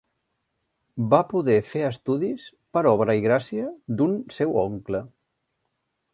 Va poder fer estudis per obra i gràcia d'un seu oncle.